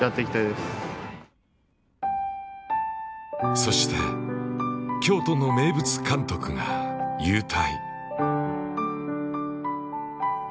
そして、京都の名物監督が勇退